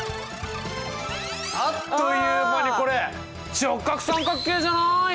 あっという間にこれ直角三角形じゃない？